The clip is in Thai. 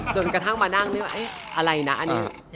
จนกระทั่งมานั่งนึกว่าอะไรนะอันนี้